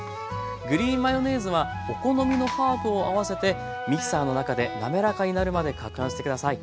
グリーンマヨネーズはお好みのハーブを合わせてミキサーの中で滑らかになるまで攪拌してください。